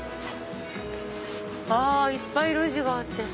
いっぱい路地があって。